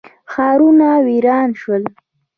ښارونه ویران شول.